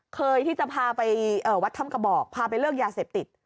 เคยที่จะพาไปวัดถ้ำกระบอกพาไปเลิกยาเสพติด